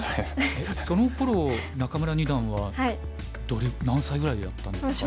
そのころ仲邑二段は何歳ぐらいだったんですか？